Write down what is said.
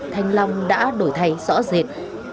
thanh long đã đổi thay rõ rệt